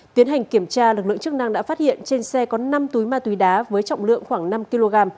tiến hành kiểm tra lực lượng chức năng đã phát hiện trên xe có năm túi ma túy đá với trọng lượng khoảng năm kg